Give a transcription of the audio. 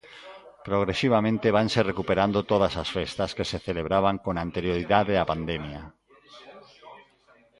Progresivamente vanse recuperando todas as festas que se celebraban con anterioridade á pandemia.